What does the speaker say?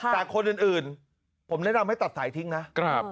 แต่คนอื่นผมแนะนำให้ตัดสายทิ้งนะ